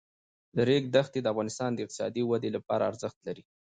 د ریګ دښتې د افغانستان د اقتصادي ودې لپاره ارزښت لري.